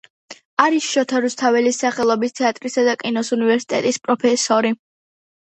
არის შოთა რუსთაველის სახელობის თეატრისა და კინოს უნივერსიტეტის პროფესორი.